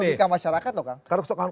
ini lebih ke masyarakat dong kang